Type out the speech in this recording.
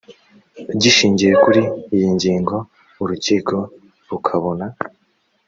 gishingiye kuri iyi ngingo urukiko rukabona